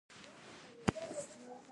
موږ د جنوبي آسیا اتلولي ګټلې ده.